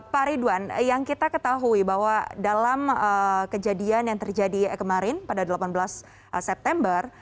pak ridwan yang kita ketahui bahwa dalam kejadian yang terjadi kemarin pada delapan belas september